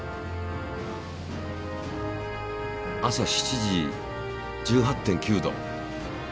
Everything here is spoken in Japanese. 朝７時１８．９℃。